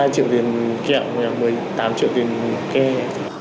hai triệu tiền kẹo một mươi tám triệu tiền kẹo